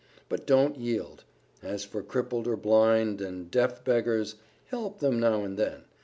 But don't yield. As for crippled or blind and deaf beggars, help them now and then.